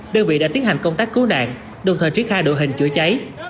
đơn vị đã tiến hành công tác cứu nạn đồng thời triển khai đội hình chữa cháy